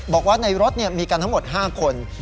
บอกว่าในรถมีกันทั้งหมด๕คน